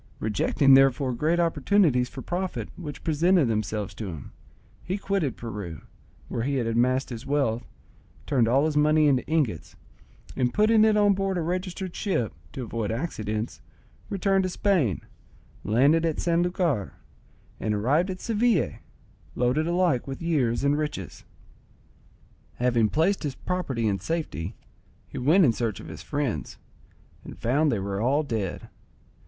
Rejecting therefore great opportunities for profit which presented themselves to him, he quitted Peru, where he had amassed his wealth, turned all his money into ingots, and putting it on board a registered ship, to avoid accidents, returned to Spain, landed at San Lucar, and arrived at Seville, loaded alike with years and riches. Having placed his property in safety, he went in search of his friends, and found they were all dead.